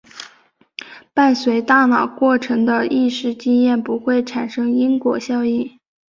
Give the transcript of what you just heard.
伴随大脑过程的意识经验不会产生因果效用。